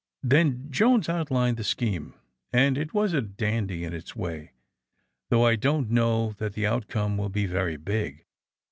Then Jones outlined the scheme, and it was a dandy in its way, though I don 't know that the outcome will be very big.